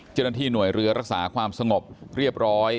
เจ้าหน้าที่หน่วยเรือรักษาความสงบเรียบร้อย